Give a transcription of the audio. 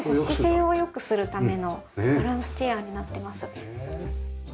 姿勢を良くするためのバランスチェアになってます。